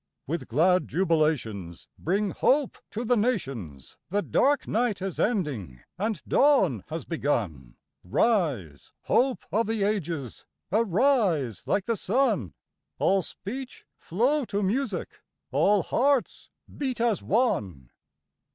With glad jubilations Bring hope to the nations The dark night is ending and dawn has begun Rise, hope of the ages, arise like the sun, All speech flow to music, all hearts beat as one!